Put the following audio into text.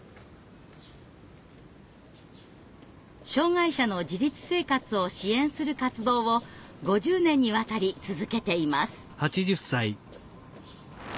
障害者の自立生活を支援する活動を５０年にわたり続けています。